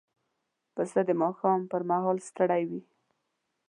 پسه د ماښام پر مهال ستړی وي.